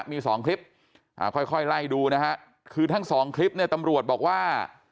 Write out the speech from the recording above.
มีสองคลิปค่อยไล่ดูนะฮะคือทั้งสองคลิปเนี่ยตำรวจบอกว่า